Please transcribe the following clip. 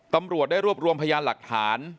ตำรวจได้รวบรวมพยานหลักฐาน